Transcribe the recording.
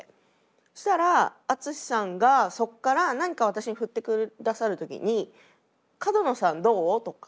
そうしたら淳さんがそこから何か私に振ってくださる時に「角野さんどう？」とか。